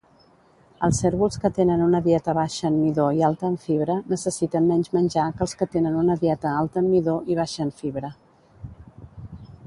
Els cérvols que tenen una dieta baixa en midó i alta en fibra necessiten menys menjar que els que tenen una dieta alta en midó i baixa en fibra.